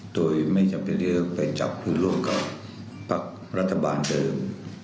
โดยไม่จำเป็นเรื่องไปจับหรือร่วมกับพักรัฐบาลเดิม